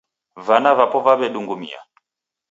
Vana vapo vawedungumia.